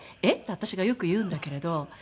私がよく言うんだけれど。